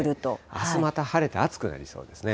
あすまた晴れて暑くなりそうですね。